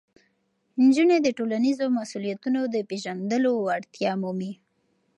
نجونې د ټولنیزو مسؤلیتونو د پېژندلو وړتیا مومي.